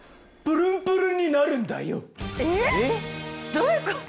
どういうこと？